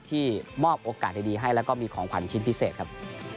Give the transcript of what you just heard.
ที่มอบโอกาสดีให้แล้วก็มีของขวัญชิ้นพิเศษครับ